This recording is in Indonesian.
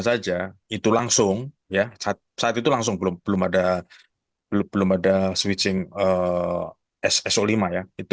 saja itu langsung ya saat itu langsung belum belum ada belum belum ada switching so lima ya itu